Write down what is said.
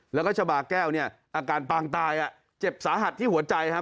แล้วก็ชาบาแก้วเนี่ยอาการปางตายเจ็บสาหัสที่หัวใจครับ